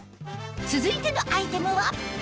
続いてのアイテムは？